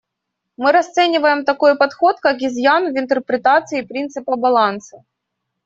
Мы расцениваем такой подход как изъян в интерпретации принципа баланса.